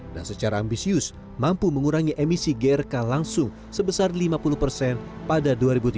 secara ambisius mampu mengurangi emisi grk langsung sebesar lima puluh persen pada dua ribu tiga puluh